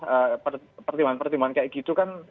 ee pertimbangan pertimbangan kayak gitu kan